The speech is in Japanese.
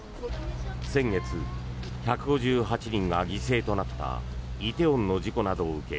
先月、１５８人が犠牲となった梨泰院の事故などを受け